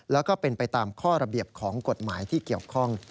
แล้วก็เป็นไปตามข้อระเบียบของกฎหมายที่เกี่ยวข้อง